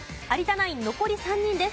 ナイン残り３人です。